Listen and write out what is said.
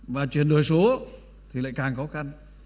và chuyển đổi số thì lại càng khó khăn